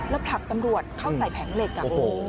แล้วผลักตำรวจเข้าใส่แผงเหล็ก